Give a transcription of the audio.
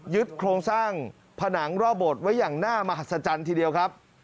โครงสร้างผนังรอบบทไว้อย่างน่ามหัศจรรย์ทีเดียวครับ